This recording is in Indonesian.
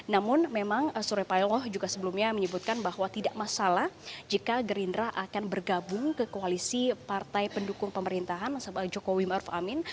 namun memang suraya palo juga sebelumnya menyebutkan bahwa tidak masalah jika gerindra akan bergabung ke koalisi partai pendukung pemerintahan jokowi ma'ruf amin